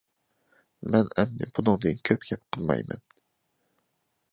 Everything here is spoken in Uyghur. مەن ئەمدى بۇنىڭدىن كۆپ گەپ قىلماي.